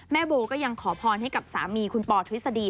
แม่โบก็ยังขอพรให้กับสามีคุณป่อทวิสดี